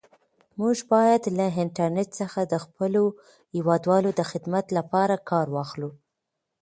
موږ باید له انټرنیټ څخه د خپلو هیوادوالو د خدمت لپاره کار واخلو.